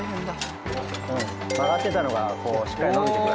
曲がってたのがこうしっかり伸びて。